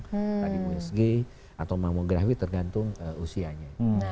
tadi usg atau malmografi tergantung usianya